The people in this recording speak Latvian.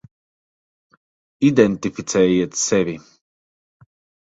Identificējiet sevi.